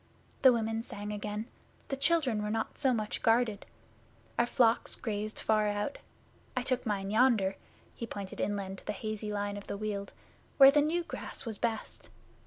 The women sang again; the children were not so much guarded; our flocks grazed far out. I took mine yonder' he pointed inland to the hazy line of the Weald 'where the new grass was best.